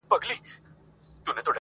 o سل بللي يو نابللی سره يو نه دي. -